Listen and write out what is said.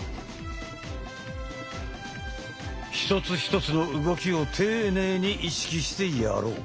一つ一つの動きを丁寧に意識してやろう！